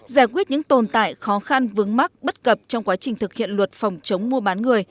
giải quyết những tồn tại khó khăn vướng mắc bất cập trong quá trình thực hiện luật phòng chống mua bán người